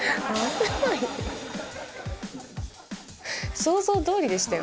想像どおりでしたよ。